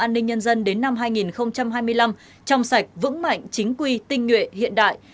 an ninh nhân dân đến năm hai nghìn hai mươi năm trong sạch vững mạnh chính quy tinh nguyện hiện đại